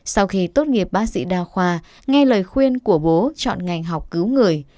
sau khi tốt nghiệp bác sĩ đa khoa nghe lời khuyên của bố chọn ngành học cứu người